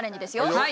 はい！